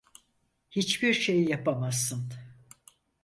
Hiçbir şey yapamazsın.